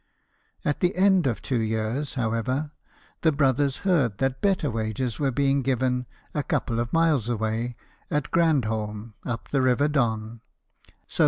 At the end of two years, however, the brothers heard that better wages were being given, a couple of miles away, at Grandholm, up the river Don.